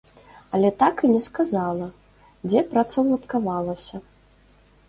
Але так і не сказала, дзе працаўладкавалася.